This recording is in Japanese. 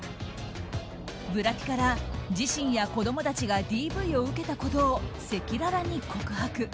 ブラピから自身や子供たちがＤＶを受けたことを赤裸々に告白。